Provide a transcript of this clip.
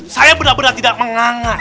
saya benar benar tidak mengangah